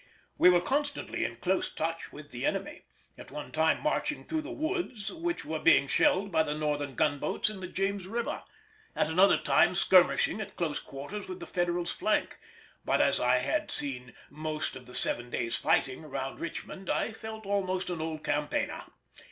We were constantly in close touch with the enemy,—at one time marching through the woods, which were being shelled by the Northern gunboats in the James river—at another time skirmishing at close quarters with the Federals' flank; but as I had seen most of the seven days' fighting round Richmond I felt almost an old campaigner.